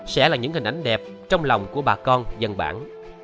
sẽ là những hình ảnh đẹp trong lòng của bà con dân bản